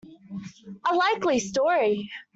A likely story!